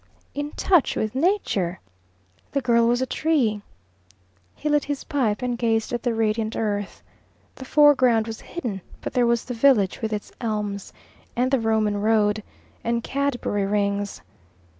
In touch with Nature! The girl was a tree! He lit his pipe and gazed at the radiant earth. The foreground was hidden, but there was the village with its elms, and the Roman Road, and Cadbury Rings.